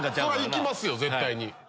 行きますよ絶対に。